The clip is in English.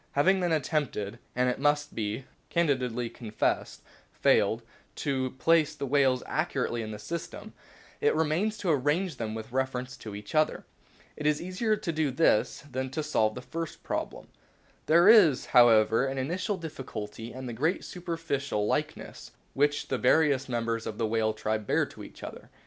Having then attempted, and, it must be candidly confessed, failed, to place the whales accurately in the system, it remains to arrange them with reference to each other. It is easier to do this than to solve the io 4 A BOOK OF WHALES first problem. There is, however, an initial difficulty in the great superficial likeness which the various members of the whale tribe bear to each other.